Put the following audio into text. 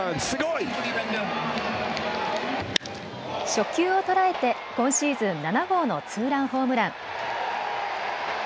初球を捉えて今シーズン７号のツーランホームラン。